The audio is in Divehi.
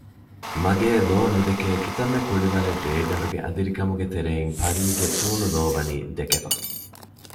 މަގޭ ލޯ ނުދެކޭ ކިތަންމެ ކުޅިވަރެއް ރޭގަނޑުގެ އަނދިރިކަމުގެ ތެރެއިން ޕަރީގެ ތޫނު ލޯ ވަނީ ދެކެފަ